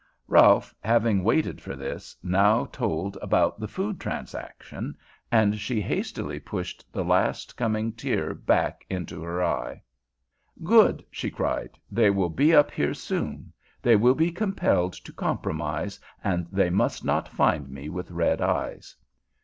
Ralph, having waited for this, now told about the food transaction, and she hastily pushed the last coming tear back into her eye. "Good!" she cried. "They will be up here soon. They will be compelled to compromise, and they must not find me with red eyes."